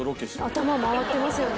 頭回ってますよね。